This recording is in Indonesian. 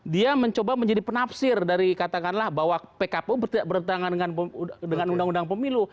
dia mencoba menjadi penafsir dari katakanlah bahwa pkpu tidak bertentangan dengan undang undang pemilu